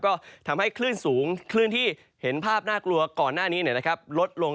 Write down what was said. ก็ทำให้คลื่นสูงคลื่นที่เห็นภาพน่ากลัวก่อนหน้านี้ลดลง